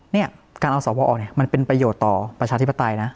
เนี่ยการเอาสวเนี่ยมันเป็นประโยชน์ต่อประชาธิปไตยนะ